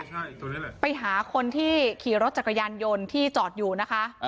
ใช่ใช่ไปหาคนที่ขี่รถจักรยานยนต์ที่จอดอยู่นะคะอ่า